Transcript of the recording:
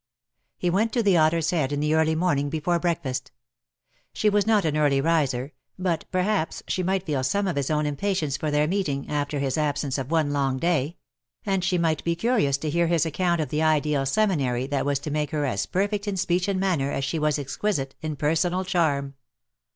He went to the "Otter's Head" in the early morning before breakfast. She was not an early riser, but perhaps she might feel some of his own impatience for their meeting, after his absence of one long day; and she might be curious to hear his account of the ideal seminary that was to make her as perfect in speech and manner as she was exquisite in personal charm.